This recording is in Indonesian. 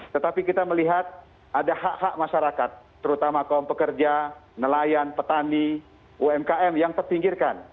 tetapi kita melihat ada hak hak masyarakat terutama kaum pekerja nelayan petani umkm yang terpinggirkan